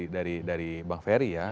dari bang ferry ya